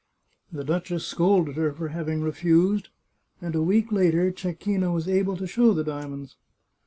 The duchess scolded her for having refused, and a week later Cecchina was able to show the diamonds.